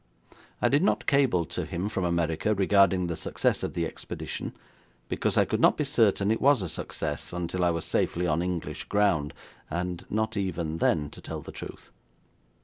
I did not cable to him from America regarding the success of the expedition, because I could not be certain it was a success until I was safely on English ground, and not even then, to tell the truth.